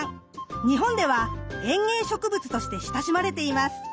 日本では園芸植物として親しまれています。